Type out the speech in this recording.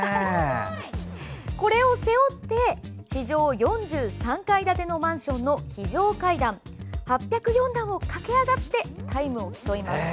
これを背負って地上４３階建てのマンションの非常階段８０４段を駆け上がってタイムを競います。